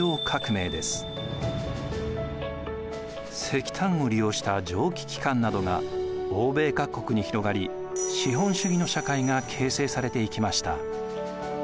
石炭を利用した蒸気機関などが欧米各国に広がり資本主義の社会が形成されていきました。